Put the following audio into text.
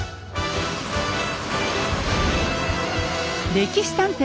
「歴史探偵」。